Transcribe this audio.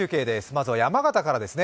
まずは山形からです。